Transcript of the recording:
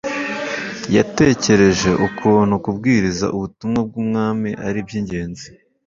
yatekereje ukuntu kubwiriza ubutumwa bw ubwami ari iby ingenzi